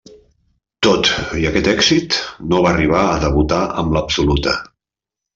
Tot i aquest èxit, no va arribar a debutar amb l'absoluta.